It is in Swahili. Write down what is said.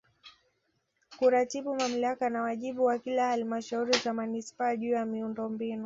Kuratibu Mamlaka na wajibu wa kila Halmashauri za Manispaa juu ya miundombinu